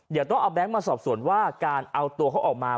เดี๋ยวต้องเอาแก๊งมาสอบส่วนว่าการเอาตัวเขาออกมา